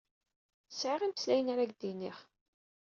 Sɛiɣ imeslayen ara k-d-iniɣ.